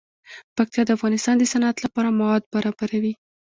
پکتیا د افغانستان د صنعت لپاره مواد برابروي.